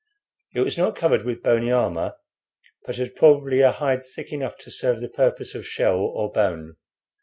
It was not covered with bony armor, but had probably a hide thick enough to serve the purpose of shell or bone.